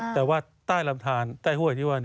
แต่ว่าใต้ลำทานใต้ห้วยที่ว่า